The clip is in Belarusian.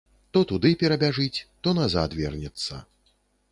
То туды перабяжыць, то назад вернецца.